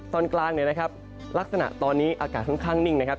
ตอนกลางลักษณะตอนนี้อากาศค่อนข้างนิ่งนะครับ